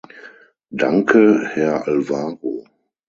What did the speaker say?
Danke, Herr Alvaro.